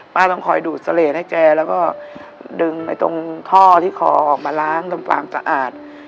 ต้องคอยดูดเสลดให้แกแล้วก็ดึงตรงท่อที่คอออกมาล้างทำความสะอาด